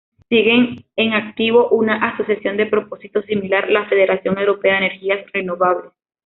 Sigue en activo una asociación de propósito similar, la Federación Europea de Energías Renovables.